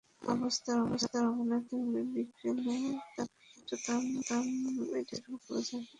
অবস্থার অবনতি হলে বিকেলে তাঁকে চট্টগ্রাম মেডিকেল কলেজ হাসপাতালে পাঠানো হয়।